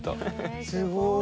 すごい！